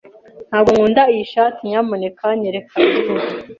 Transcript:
Ntabwo nkunda iyi shati. Nyamuneka nyereka irindi.